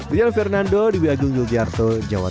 rial fernando di wi agung yogyarto jawa timur